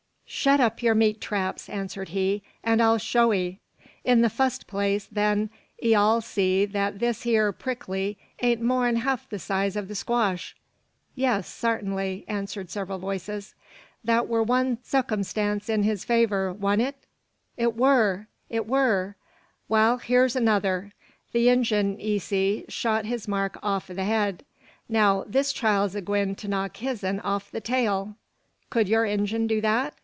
"Shet up your meat traps," answered he, "an I'll show 'ee. In the fust place, then, 'ee all see that this hyur prickly ain't more'n hef size o' the squash?" "Yes, sartainly," answered several voices. "That wur one sukumstance in his favour. Wa'nt it?" "It wur! it wur!" "Wal, hyur's another. The Injun, 'ee see, shot his mark off o' the head. Now, this child's a gwine to knock his'n off o' the tail. Kud yur Injun do that?